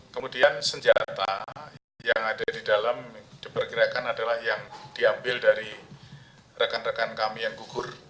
kemudian senjata yang ada di dalam diperkirakan adalah yang diambil dari rekan rekan kami yang gugur